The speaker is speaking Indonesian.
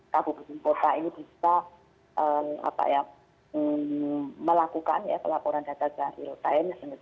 kabupaten kota ini bisa melakukan pelaporan data data real time